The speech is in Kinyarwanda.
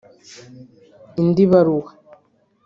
Indi baruwa